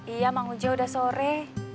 iya mang ujo udah sore